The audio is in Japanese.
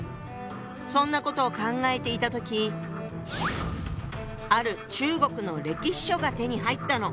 そんなことを考えていた時ある中国の歴史書が手に入ったの。